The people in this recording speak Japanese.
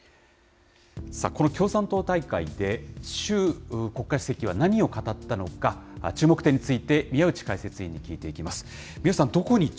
この共産党大会で、習国家主席は何を語ったのか、注目点について宮内解説委員に聞いていきます。